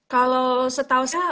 kalau setahu saya